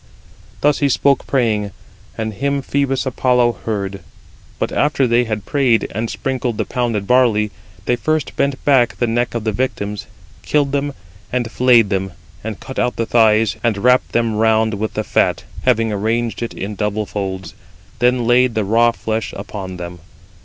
Thus he spoke praying, and him Phœbus Apollo heard. But after they had prayed, and sprinkled the pounded barley, they first bent back [the neck of the victims], killed them, and flayed them, and cut out the thighs, and wrapped them round with the fat, having arranged it in double folds; then laid the raw flesh upon them.